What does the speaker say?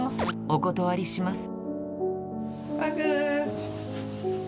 お断りします。